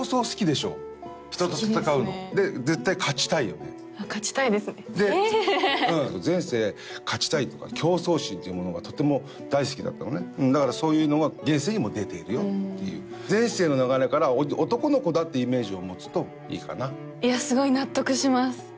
好きですね人と戦うので絶対勝ちたいよね勝ちたいですね前世勝ちたいとか競争心っていうものがとても大好きだったのねだからそういうのは現世にも出ているよっていう前世の流れから男の子だっていうイメージを持つといいかないやすごい納得します